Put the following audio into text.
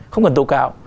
không cần tố cáo